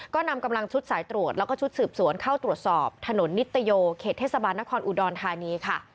ก็นำกำลังชุดสายตรวจแล้วก็ชุดสืบสวนเข้าตรวจสอบถนนนิตโยเขตเทศบาลนครอุดรธานีค่ะ